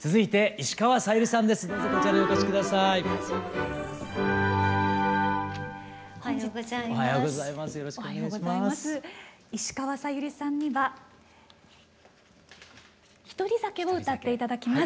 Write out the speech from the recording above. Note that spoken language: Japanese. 石川さゆりさんには「獨り酒」を歌って頂きます。